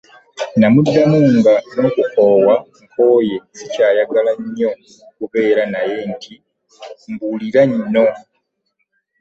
Namuddamu nga n'okukoowa nkooye sikyayagala nnyo kubeera naye nti, "mbuulira nno"